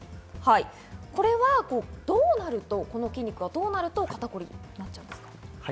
これはどうなると、この筋肉がどうなると、肩こりになっちゃうんですか？